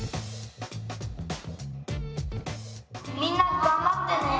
「みんながんばってね！」。